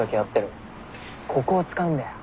ここを使うんだよ。